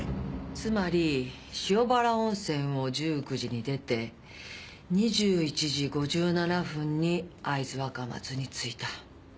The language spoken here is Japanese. つまり塩原温泉を１９時に出て２１時５７分に会津若松に着いた。